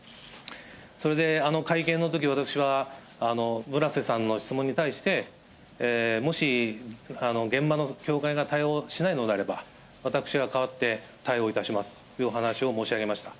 それであの会見のとき、私は、むらせさんの質問に対して、もし現場の教会が対応しないのであれば、私が代わって、対応いたしますという話を申し上げました。